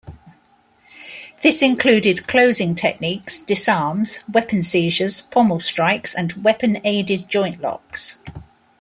This included closing techniques, disarms, weapon-seizures, pommel-strikes, and weapon-aided joint-locks.